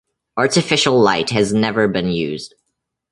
Artificial light has never been used.